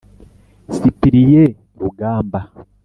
cyprien rugamba